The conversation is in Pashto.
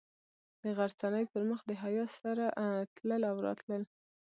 د غرڅنۍ پر مخ د حیا سره تلل او راتلل.